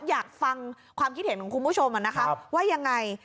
อยากฟังความคิดเห็นของคุณผู้ชมว่ายังไง